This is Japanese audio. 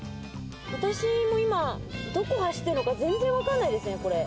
私も今、どこ走ってるのか、全然分かんないですね、これ。